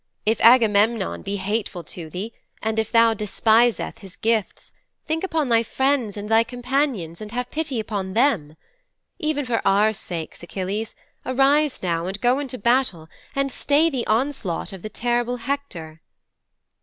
If Agamemnon be hateful to thee and if thou despiseth his gifts, think upon thy friends and thy companions and have pity upon them. Even for our sakes, Achilles, arise now and go into battle and stay the onslaught of the terrible Hector."'